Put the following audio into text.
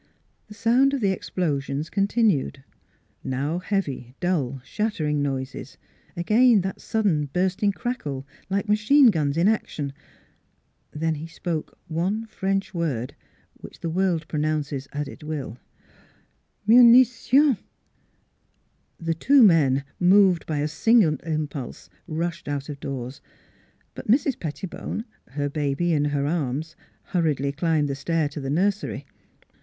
The sound of the ex plosions continued: now heavy, dull, shattering noises; again that sudden bursting crackle like machine guns in action. ... Then he spoke one French word, which the world pronounces as it will: "Munitions!" The two men, moved by a single impulse, rushed out of doors. But Mrs. Pettibone, her NEIGHBORS 301 baby in her arms, hurriedly climbed the stair to the nursery.